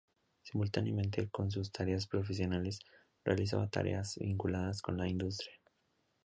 Simultáneamente con sus tareas profesionales, realizaba tareas vinculadas con la industria.